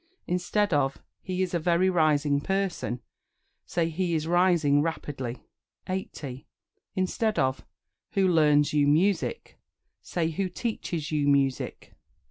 Instead of "He is a very rising person," say "He is rising rapidly." 80. Instead of "Who learns you music?" say "Who teaches you music?"